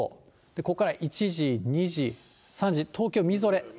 ここから１時、２時、３時、みぞれ。